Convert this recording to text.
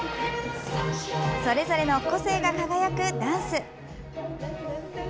それぞれの個性が輝くダンス。